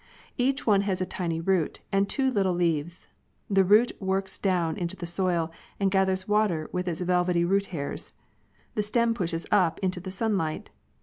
Each one has a tiny root and two little leaves. The root works down into the soil and gathers water with its velvety root hairs. The stem pushes up in to the sunlight.